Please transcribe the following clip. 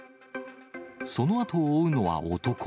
そのあとを追うのは男。